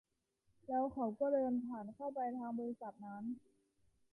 แล้วเขาก็เดินผ่านเข้าไปทางบริษัทนั้น